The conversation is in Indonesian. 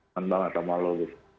keren banget sama lu gitu